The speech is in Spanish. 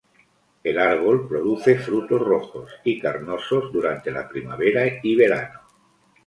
El árbol produce frutos rojos y carnosos durante la primavera y verano.